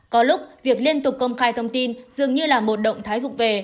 có lúc việc liên tục công khai thông tin dường như là một động thái vục về